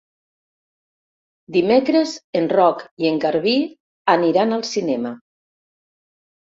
Dimecres en Roc i en Garbí aniran al cinema.